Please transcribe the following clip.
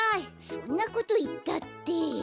そんなこといったって。